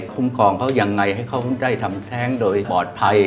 คุ้มครองเขายังไงให้เขาได้ทำแท้งโดยปลอดภัย